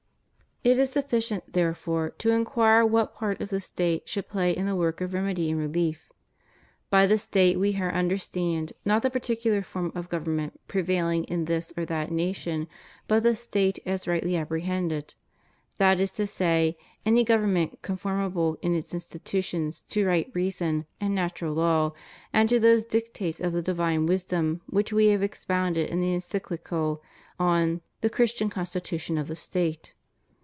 It is sufficient, therefore, to inquire what part the State should play in the work of remedy and relief. By the State we here understand, not the particular form of government prevaihng in this or that nation, but the State as rightly apprehended; that is to say, any govern ment conformable in its institutions to right reason and natural law, and to those dictates of the divine wisdom which we have expounded in the Encyclic a on "The Christian Constitution of the State."